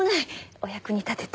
お役に立てて。